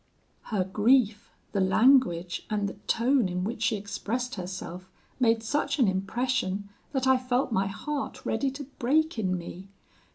"Her grief, the language, and the tone in which she expressed herself, made such an impression, that I felt my heart ready to break in me.